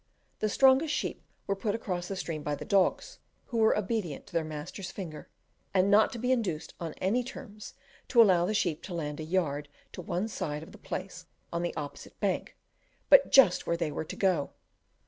The strongest sheep were put across the stream by the dogs, who were obedient to their master's finger, and not to be induced on any terms to allow the sheep to land a yard to one side of the place on the opposite bank, but just where they were to go.